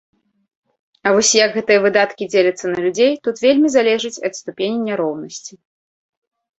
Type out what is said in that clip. А вось як гэтыя выдаткі дзеляцца на людзей, тут вельмі залежыць ад ступені няроўнасці.